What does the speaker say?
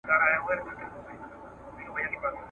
دا زخم ناسوري دی له دې قامه سره مل دی ,